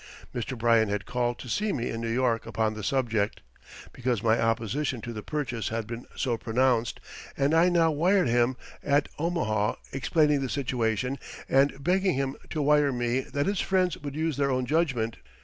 Mr. Bryan had called to see me in New York upon the subject, because my opposition to the purchase had been so pronounced, and I now wired him at Omaha explaining the situation and begging him to wire me that his friends could use their own judgment.